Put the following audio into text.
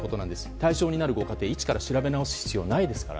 対象になるご家庭を一から調べ直す必要がないですから。